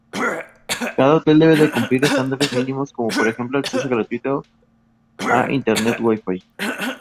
Cada hotel deben cumplir estándares mínimos, como por ejemplo acceso gratuito a internet Wi-Fi.